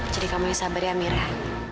jadi kamu yang sabar ya mira